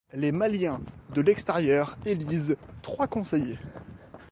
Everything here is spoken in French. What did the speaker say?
Les Maliens de l’extérieur élisent trois conseillers.